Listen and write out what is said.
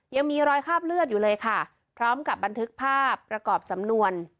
ยังมีรอยคราบเลือดอยู่เลยค่ะพร้อมกับบันทึกภาพประกอบสำนวน